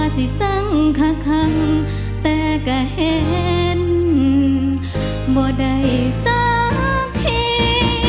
สิสังคังแต่ก็เห็นบ่ได้สักที